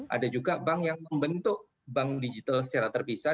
ada juga bank yang membentuk bank digital secara terpisah